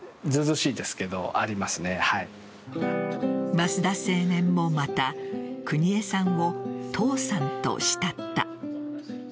増田青年もまた邦衛さんを父さんと慕った。